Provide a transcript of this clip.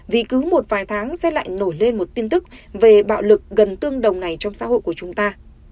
vì cứ một vài tháng sẽ lại nổi lên một tin tức về bạo lực gần tương đồng này trong xã hội của chúng ta